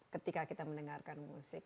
ketika kita mendengarkan musik